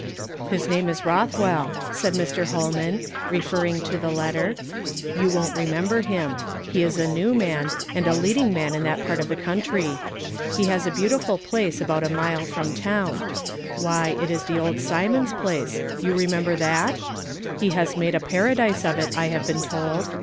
>> 1 ■i " T T^^ name is Rotlnvell," said Mr. Holman, re ± JL ferring to the letter ;" you won't remem ber him ; he is a new man, and the leading man in that part of the country. He has a beautiful place about a mile from town. Why, it is the old Symonds place ; you remember that ? He has made a paradise of it, I have been told.